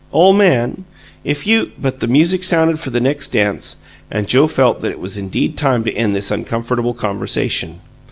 Ole man, if you " But the music sounded for the next dance, and Joe felt that it was indeed time to end this uncomfortable conversation.